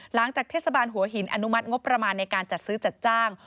หลังจากเทศบาลหัวหินอนุมัติงบประมาณในการจัดซื้อจัดจ้าง